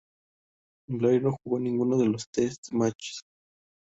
Blair no jugó ninguno de los test matches.